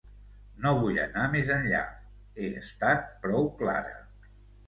No vull anar més enllà, he estat prou clara.